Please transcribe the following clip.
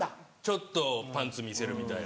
ちょっとパンツ見せるみたいな。